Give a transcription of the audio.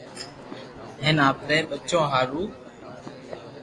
ھين آپري ٻچو ھارو